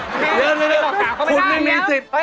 เริ่มคุณไม่มีสิทธิ์